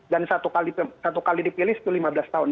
dan satu kali dipilih itu lima belas tahun